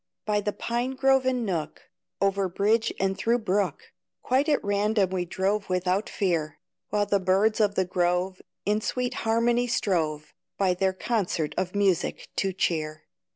By the pine grove and nook, Over bridge and through brook, Quite at random we drove without fear; While the birds of the grove, In sweet harmony strove, By their concert of music to cheer.